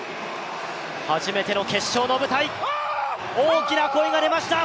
初めての決勝の舞台、大きな声が出ました。